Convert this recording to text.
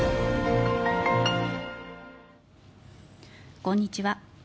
こんにちは。